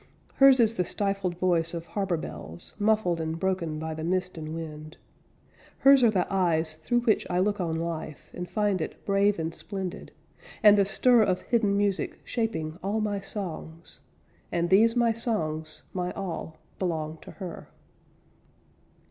Hers is the stifled voice of harbor bells Muffled and broken by the mist and wind. Hers are the eyes through which I look on life And find it brave and splendid. And the stir Of hidden music shaping all my songs, And these my songs, my all, belong to her.